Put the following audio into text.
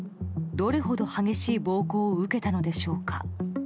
どれほど激しい暴行を受けたのでしょうか。